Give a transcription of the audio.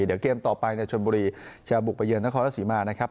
เดี๋ยวเกมต่อไปชมบุริจะบุกไปเยินนครสิมานะครับ